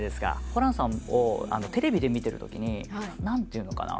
ホランさんをテレビで見てるときに何ていうのかな